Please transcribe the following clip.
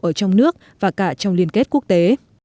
ở trong nước và cả trong liên kết quốc tế